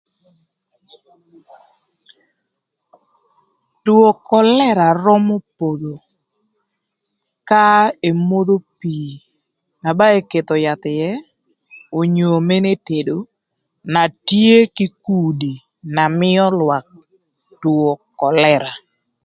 Two kölëra römö podho ka emodho pii na ba eketho yath ïë onyo mënë etedo ma tye kï kudi na mïö lwak two kölëra